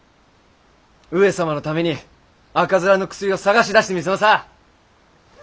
上様のために赤面の薬を探し出してみせまさぁ！